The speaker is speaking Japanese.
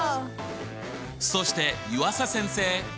そして湯浅先生！